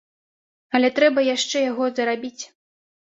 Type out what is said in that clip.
Але трэба яшчэ яго зарабіць.